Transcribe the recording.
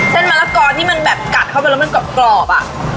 เส้นมะละกอดที่แก่มันเกราะปลอบกรอบอะ